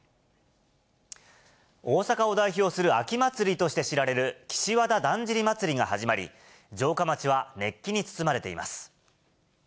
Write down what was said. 大阪を代表する秋祭りとして知られる岸和田だんじり祭が始まり、城下町は熱気に包まれています。